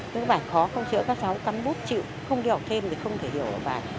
cái bài khó không chữa các cháu cắn bút chịu không đi học thêm thì không thể hiểu bài